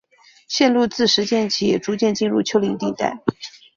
线路自石涧起逐渐进入丘陵地带。